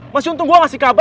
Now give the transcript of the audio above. masih untung gua ngasih kabar